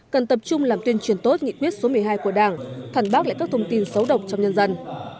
cần tập trung làm tuyên truyền tốt nghị quyết số một mươi hai của đảng phản bác lại các thông tin xấu độc trong nhân dân